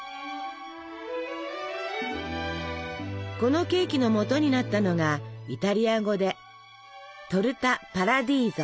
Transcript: このケーキのもとになったのがイタリア語で「トルタパラディーゾ」。